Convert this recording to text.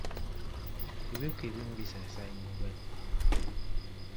Ebiwuka ebimu bisaasaanya endwadde.